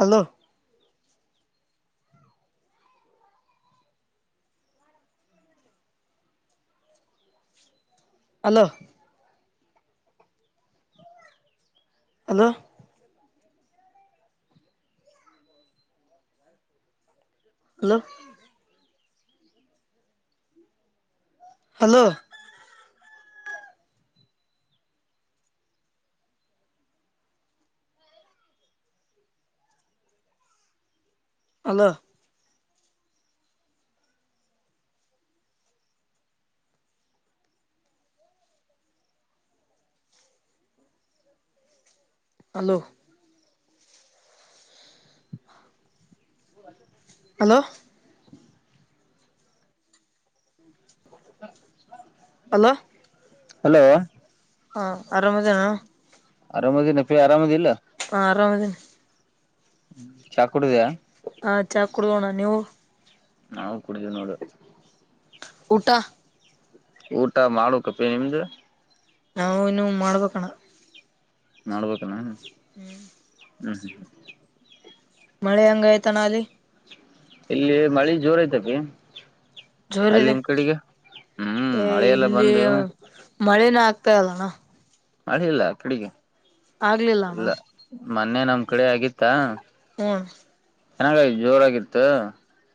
Hello. Hello hello hello hello hello hello hello hello hello ಹಾ ಆರಾಮದೇನಾ ಆರಾಮದಿನಪೀ ಆರಾಮದಿಲ್ಲ ಹ ಆರಾಮದನೆ ಚಾಕ ಕುಡುದ ಹಾ ಚಾಕ್ಡೋನ ನೀವು ನಾವು ಕುಡಿದೇವಿ ನೋಡು ಊಟ ಊಟ ಮಾಡುಕಪ್ಪಿ ನಿಮ್ದು ನಾವವು ಇನ್ನು ಮಾಡ್ಬೇಕಣ ನಡ್ಬನಾ ಅಹ್ ಮಳೆ ಹೆಂಗ ಆಯ್ತಾನ ಲೀ ಇಲ್ಲಿ ಮಳಿ ಜೋರ ಐತಪಿ ಜೋರ ಅಲ್ಲಿ ಇದೆ ನಿಮ್ ಕಡೆಗೆ ಹ್ಮ್ ಏ ಮಳೆಲ್ಲ ಇಲ್ಲಿ ಬಂದು ಮಳೆನ ಆಗ್ತ ಪಾಲ್ಲಣ ಮಳಿ ಇಲ್ಲ ಕಡಿಗೆ ಆಗ್ಲಿಲ್ಲಣ್ಣ ಮೊನ್ನೆ ನಮ್ ಕಡೆ ಆಗಿತ್ತಾ ಆಗಿತ್ತಾ ಹೂ ಚೆನ್ನಾಗ ಜೋರಾಗಿತ್ತು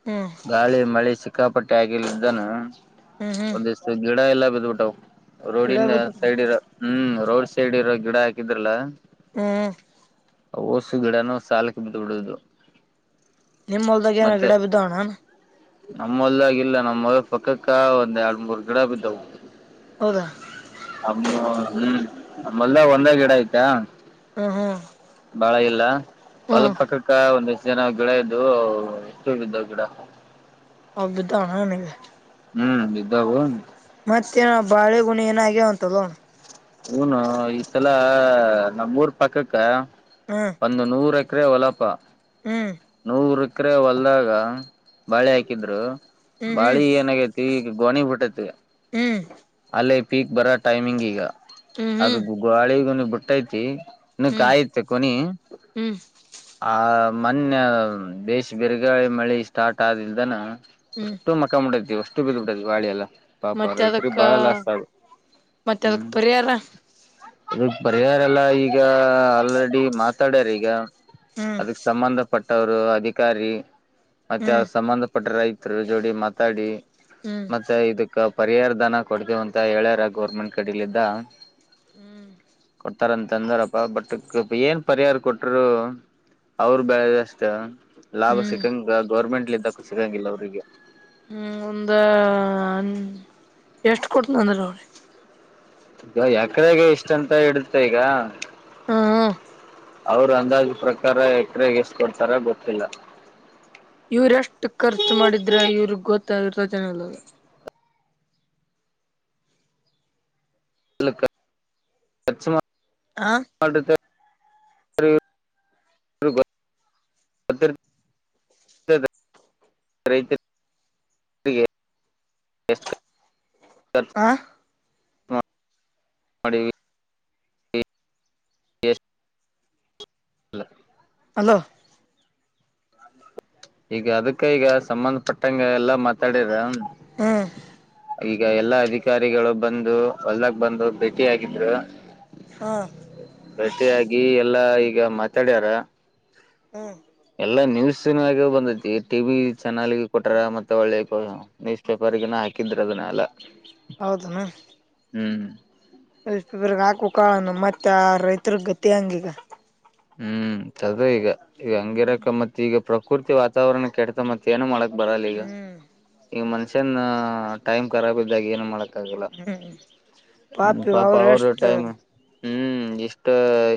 ಹ್ಮ್ ಗಾಳಿ ಮಳೆ ಸಿಕ್ಕಾಪಟ್ಟೆ ಆಗಿಲ್ಲಿದ್ದಾನ ಹ್ಮ್ ಹ್ಮ್ ಒಂದಷ್ಟ ಗಿಡ ಎಲ್ಲ ಬಿದ್ದುಬಿಟ್ಟವು ಗಿಡ ರೋಡಿನ ಬಿದ್ದು ಸೈಡ್ ಇರೋ ಹ್ಮ್ ರೋಡ್ ಸೈಡ್ ಇರೋ ಗಿಡ ಹಾಕಿದ್ರಲ್ಲ ಹ್ಮ ಓಸು ಗಿಡನು ಸಾಲಕ್ಕೆ ಬಿದ್ದ ಬಿಡುದು ನಿಮ್ಮ ಹೊಲದಾಗೇನ್ ಮತ್ತೆ ಗಿಡ ಬಿದ್ದವೇನಣ್ಣ ನಮ್ಮ ಹೊಲ್ದಾಗಿಲ್ಲ ಇಲ್ಲ ನಮ್ಮ ಹೊಲದಪಕ್ಕಕ್ಕ ಒಂದ್ ಎರಡ್ ಮೂರ್ ಗಿಡ ಬಿದ್ದವು ಹೌದಾ ಅಮ್ಮ ಹೂ ನಮ್ಮ ಹೊಲದಾಗ ಒಂದೇ ಗಿಡ ಆಯ್ತಾ ಹ್ಮ್ ಹ್ಮ್ ಬಾಳ ಇಲ್ಲ ಹೊಲ ಹ್ಮ್ ಪಕ್ಕಕ್ಕ ಒಂದಷ್ಟ ಜನ ಗಿಡ ಇದ್ವು ಅಷ್ಟು ಬಿದ್ದವು ಗಿಡ ಅವು ಬಿದ್ದಾವಣ್ಣ ನಿಂಗ್ ಹೂ ಬಿದ್ದವು ಮತ್ತೆನ ಬಾಳೆ ಗುಣಿ ಏನು ಆಗ್ಯಾವಂತಲ್ಲೋ ಹೂನೋ ಈ ಸಲಾ ನಮ್ಮೂರ್ ಪಕ್ಕಕ್ಕ ಹ್ಮ್ ಒಂದು ನೂರಕ್ಕ ಕರೆ ವಲ್ಲಪ್ಪ ಹ್ಮ್ ನೂರು ಸಕ್ಕರೆ ಹೊಲ್ದಾಗ ಬಾಳೆ ಹಾಕಿದ್ರು ಹ್ಮ್ ಬಾಳಿಗಿ ಏನಾಗೈತಿ ಗೋಣಿ ಬಿಟ್ಟೈತಿ ಹ್ಮ್ ಒಳ್ಳೆ ಪೀಕ್ ಬರೋ ಟೈಮಿಂಗ್ ಈಗ ಹ್ಮ್ ಹ್ಮ್ ಅದು ಗಾಳಿಗುನೂ ಬಿಟ್ಟೈತಿ ನ ಹ್ಮ್ ಕಾಯುತ್ತು ಕೊನೀ ಹ್ಮ್ ಹ್ಮ್ ಆ ಮೊನ್ನೆ ಭೇಷ್ ಬಿರುಗಾಳಿ ಮಳಿ ಸ್ಟಾರ್ಟ್ ಆಗಿಲ್ದೇನ ಹ್ಮ್ ಅಸ್ಟ್ರು ಮಕ್ಕೊಂಡ್ ಬಿಟ್ಟಿದೆ ಇವತ್ತು ಅಷ್ಟು ಬಿಟ್ಬಿಟ್ಟೆ ಬಾಳಿಯಲ್ಲ ಮತ್ತೆ ಅದಕ್ಕ ಮತ್ತೆ ಅದಕ್ ಪರಿಹಾರ ಅದಕ್ಕೆ ಪರಿಹಾರ ಎಲ್ಲಾ ಇವಾಗ ಅಲ್ರೆಡ್ ಮಾತಾಡೆರ ಈಗ ಹ್ಮ್ ಅದಕ್ ಸಂಬಂಧ ಪಟ್ಟವರು ಅಧಿಕಾರಿ ಮತ್ತೆ ಹ್ಮ್ ಸಂಬಂಧ ಬಟ್ ರೈತರ ಜೋಡಿ ಮಾತಾಡಿ ಹ್ಮ್ ಮತ್ತೆ ಇದಕ್ಕ ಪರಿಹಾರ ದನ ಕೊಡ್ತೇವ ಅಂತ ಹೇಳ್ಯಾರ ಗೋರ್ಮೆಂಟ್ ಕಡಲಿದ್ದ [inaudible] ತಾರಂತ ಅಂದಾರಪ್ಪ ಬಟ್ ಏನ್ ಪರಿಹಾರ ಕೊಟ್ಟರು. ಅವರು ಬೆಳೆದ ಅಷ್ಟ ಲಾಭ ಹ್ಮ್ ಸಿಕ್ಕಂಗ ಗೌರ್ಮೆಂಟ್ ಇದಕ್ಕ್ ಸಿಗಂಗಿಲ್ಲ ಅವರಿಗೆ ಹ್ಮ ಒಂದ ಎಷ್ಟ ಕೊಟನಂದ್ರ ಅವ್ರಿ ಈಗ ಯಕಡೆಗೆ ಇಷ್ಟ ಅಂತ ಇಡುತ್ತೆ ಈಗ ಹ್ಮ. ಅವರು ಅಂದಾಜ ಪ್ರಕಾರ ಎಕರೆಗೆ ಎಷ್ಟ ಕೊಡ್ತಾರ ಗೊತ್ತಿಲ್ಲ. ಇವ್ರ ಎಷ್ಟ್ ತಚನಲ್ಲ. ಅ ಅಚ್ಚುಮ ಆ [unintelligible] ಆ ಮಾಡೀವಿ [unintelligible] ಅಲೋ ಈಗ ಅದಕ್ಕ ಈಗ ಸಂಬಂಧಪಟ್ಟಂಗ ಎಲ್ಲ ಮಾತಾಡಿರ ಹ್ಮ ಈಗ ಎಲ್ಲಾ ಅಧಿಕಾರಿಗಳು ಬಂದು ಹೊಲ್ದಾಗ ಬಂದು ಭೇಟಿಯಗಿದ್ರ ಹ್ಮ್ ಭೇಟೆಯಾಗಿ ಎಲ್ಲಾ ಈ ಈಗ ಮಾತಾಡ್ಯಾರ ಹ್ಮ ಎಲ್ಲಾ ನ್ಯೂಸನ್ಯಾಗ ಬಂದೈತಿ ಟಿ ವಿ ಚಾನಲ್ ಕೊಟರ ಮತ್ತೆ ಒಳ್ಳೆ ನ್ಯೂಸ್ ಪೇಪರ್ಗನ ಹಾಕಿದ್ರ ಅದನ್ನಲ್ಲ ಹೌದನಾ ಹ್ಮ್. ಸ್ಲ್ಪಬ್ರಗ್ ಹಾಕ ಕಣ ಮತ್ತೆ ಆ ರೈತರ ಗತಿ ಹೆಂಗಿಗ ಹ್ಮ್ ಚದು ಈಗ ಈ ಹಂಗಿರಕ ಮತ್ತ ಈಗ ಪ್ರಕೃತಿ ವಾತಾವರಣ ಕೆಡ್ತ ಮತ್ತತ್ ಏನ ಮಾಡಕ್ ಬರಾಲಿಗ ಹ್ಮ್ ಈಗ ಮನ್ಷ್ಯನ್ ಟೈಮ್ ಕರಾಬ್ ಇದಾಗ ಏನ್ ಮಾಡಕ್ ಆಗಲ್ಲ ಹ್ಮ್ ಹ್ಮ ಪಾಪಿ ಪಾಪ ಅವರು ಎಷ್ಟ ಟೈಮ್ ಹ್ಮ್ ಇಷ್ಟ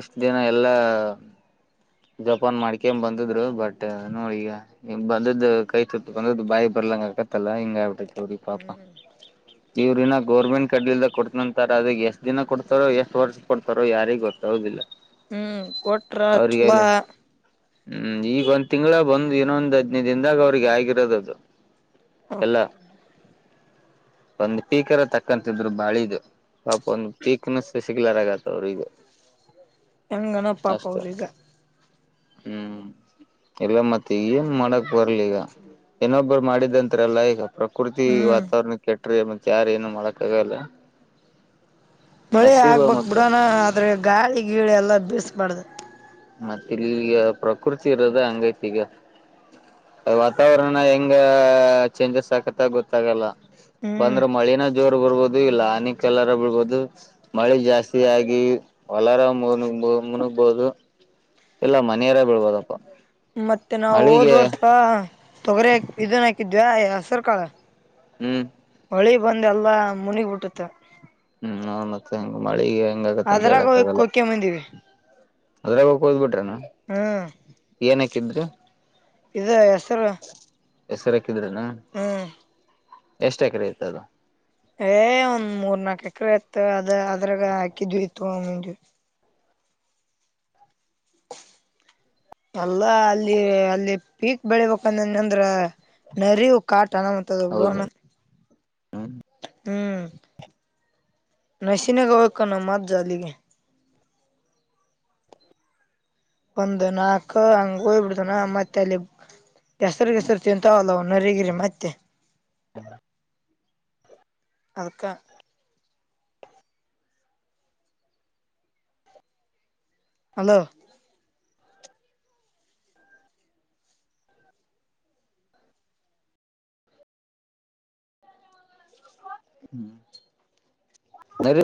ಇಷ್ಟ್ ದಿನ ಎಲ್ಲಾ [inaudible] ಜಪಾನ್ ಮಾಡ್ಕೇ ಬಂದಿದ್ರು ಬಟ್ ನೋಡಿ ಈಗ ಬಂದ್ದ ಕೈತತ್ತು ಬಂದದ್ದ ಬಾಯಿ ಬರ್ಲಂಗ ಆಕತ್ತಲ್ಲಾ ಹಿಂಗ ಆಗ್ಬಿಟ್ಟೈವ್ರಿ ಪಾಪ ಇವ್ರನ್ನ ಗೋರ್ಮೆಂಟ್ ಕಡ್ಡಿಲ್ದ ಕೊಡ್ತನಂತಾರ ಅದಗ್ ಎಷ್ಟ್ ದಿನ ಕೊಡ್ತಾರೋ ಎಷ್ಟ್ ವರ್ಷ ಕೊಡ್ತಾರೋ ಯಾರಿಗೆ ಗೊತ್ತು ಹೌದಿಲ್ಲ. ಹ್ಮ್ ಕೊಟ್ರ ಚೊಲ ಹ್ಮ್ ಈಗ ಒಂದ್ ತಿಂಗಳಗ ಬಂದ್ ಇನ್ ಒಂದ್ ಹದ್ನೈ ದಿನದಾಗ ಅವ್ರಿಗೆ ಆಗಿರೋದದು. ಎಲ್ಲಾ [unintelligible] ಒಂದ್ ಪೀಕರ ತಕ್ಕಂತಿದ್ರು ಬಾಳಿದು ಪಾಪ ಒಂದ್ ಪೀಕ್ನು ಸಿಗ್ಲರದಾಗಿತೆ ಬಂದು ಹೆಂಗಣ ಪಾಪ ಅವ್ರಗ ಹ್ಮ್ ಎಲ್ಲ ಮತ್ತೆ ಈಗ ಏನ್ ಮಾಡಕ್ ಬರ್ಲಿ ಈಗ ಏನೊಬ್ಬರು ಮಾಡಿದಂತ ಎಲ್ಲ ಈಗ ಪ್ರಕೃತಿ ಹ್ಮ್ ವಾತಾವರಣ ಕೆ ಕೆಟ್ರೆ ಯಾರ ಏನು ಮಾಡಕ್ಕಗಲ್ಲ ಮಳೆ ಆಗ್ಬಕ್ ಬಿಡಣ ಅದ್ರ ಗಾಳಿ ಗೀಳಿ ಎಲ್ಲ ಬೀಳ್ಸಬಾರ್ದ ಮತ್ತೆ ಇಲ್ಲಿ ಪ್ರಕೃತಿ ಇರೋದ ಹಂಗೈತಿ ಈಗ ವಾತಾವರಣ ಹೆಂಗ ಚೇಂಜಸ್ ಆಕತ್ತ ಗೊತ್ತಾಗಲ್ಲ. ಹ್ಮ್ ಬಂದ್ರೆ ಮಳಿನ ಜೋರ್ ಬರ್ಬೋದು ಇಲ್ಲ ಹನಿ ಕಲ್ಲರ ಬಿಡ್ಬಹುದು ಮಳೆ ಜಾಸ್ತಿ ಆಗಿ ಹೊಲರ ಮು ಮುನಗ್ಬಹುದು ಇಲ್ಲ ಮನೆಯರ ಬೀಳ್ಬೋದಪ್ಪ. ಮತ್ತೆ ನಾವು ಹೋದ್ ಮಳಿಗೆ ವರ್ಷ ತೊಗರೆ ಇದನ್ ಹಾಕಿದ್ದ್ ಯಯ ಹೆಸರ್ ಕಾಳ ಹ್ಮ್. ಹೊಳಿ ಬಂದ ಎಲ್ಲ ಮುನಿಗ್ಬಿಟ್ಟುತ್ತ ಹ್ಮ್ ನ ಮತ್ತೆ ಹೆಂಗ ಮಳಿಗೆ ಹೆಂಗ ಆಗತ್ತ ಅದ್ರಾಗ ಕೊಕೆ ಬಂದಿವವಿ ಅದ್ರಾಗೋಗ ಹೋಗ್ಬ ಬಿಟ್ರೆ ನಾ ಹ್ಮ್ ಕಂದ್ರ ಇದು ಹೆಸರು ಹೆಸರೇ. ಹಿದ್ರನಾ ಹ್ಮ್ ಎಷ್ಟು ಎಕರೆ ಇತ ಅದು ಏ ಒಂದ್ ಮೂರ್ ನಾಕ ಎಕರೆ ಇತ್ತು ಅದ ಅದ್ರಾಗ ಹಾಕಿದ್ವಿ ಇತ್ತು ಅಲ್ಲ ಅಲ್ಲಿ ಅಲ್ಲಿ ಪೀಕ್ ಬೆಳಿಬೇಕನ್ಂದ್ರ ನರ ಕಾಟಣ ಮತ್ತದ ಹೌದು ಬಿಡವಣ ಹ್ಮ್ ಹ್ಮ್ ನಸೀಿನಗಕ ನ ಮತ್ ಜಲಿಗೆ ಒಂದ ನಾಕ ಅಂಗ್ ಮತ್ತೆ ಅಲ್ಲಿ ಹೆಸರುಗೆಸರು ತಿಂತಾವಲ್ಲ ನರಿಗಿರಿ ಮತ್ತೆ ಹಕ ಹಲೋ ಹರ